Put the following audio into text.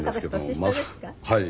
はい。